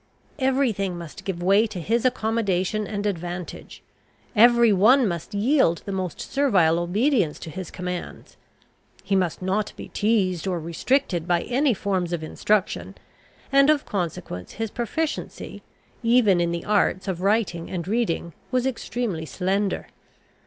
Every thing must give way to his accommodation and advantage; every one must yield the most servile obedience to his commands. He must not be teased or restricted by any forms of instruction; and of consequence his proficiency, even in the arts of writing and reading, was extremely slender.